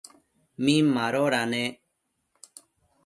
Min madoda nec ?